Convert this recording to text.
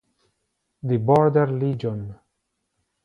The Border Legion